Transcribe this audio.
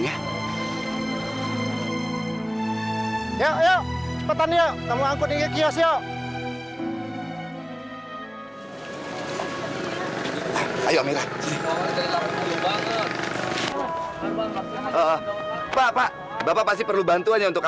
yang mencintai nol